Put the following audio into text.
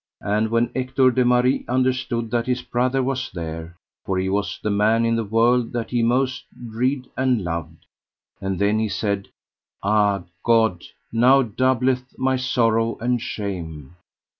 And when Ector de Maris understood that his brother was there, for he was the man in the world that he most dread and loved, and then he said: Ah God, now doubleth my sorrow and shame.